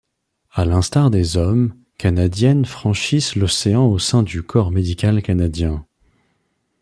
À l'instar des hommes, Canadiennes franchissent l'océan au sein du Corps médical canadien.